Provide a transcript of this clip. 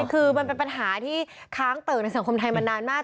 คือมันเป็นปัญหาที่ค้างเติ่งในสังคมไทยมานานมาก